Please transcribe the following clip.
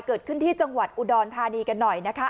เกิดขึ้นที่จังหวัดอุดรธานีกันหน่อยนะคะ